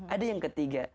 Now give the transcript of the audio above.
ada yang ketiga